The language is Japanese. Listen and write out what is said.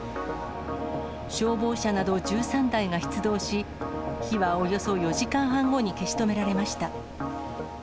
消防車など１３台が出動し、火はおよそ４時間半後に消し止められました。